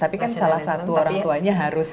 tapi kan salah satu orang tuanya harus